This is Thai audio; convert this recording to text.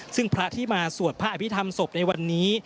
ซึ่งพระที่มาสวดพระอภิษฐรรมศพในวันนี้